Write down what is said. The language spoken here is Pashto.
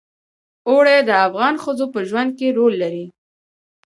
اوړي د افغان ښځو په ژوند کې رول لري.